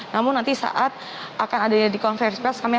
namun nanti saat akan ada di konferensi kami akan mengucapkan